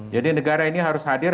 jadi negara ini harus hadir